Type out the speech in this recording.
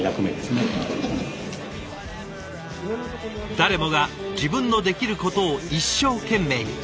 誰もが自分のできることを一生懸命に。